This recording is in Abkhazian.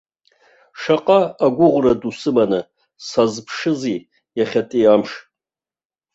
Шаҟа агәыӷра ду сыманы сазԥшызи иахьатәи амш.